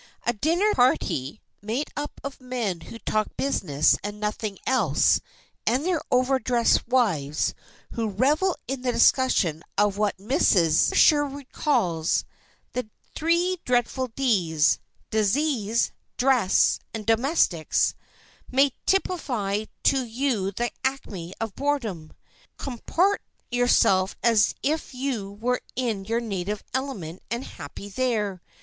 A dinner party, made up of men who talk business and nothing else, and their over dressed wives, who revel in the discussion of what Mrs. Sherwood calls "The Three Dreadful D's"—Disease, Dress and Domestics—may typify to you the acme of boredom. Comport yourself as if you were in your native element and happy there.